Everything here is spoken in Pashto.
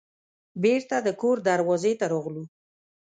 بیرته د کور دروازې ته راغلو.